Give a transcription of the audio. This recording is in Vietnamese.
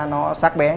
nó sát bén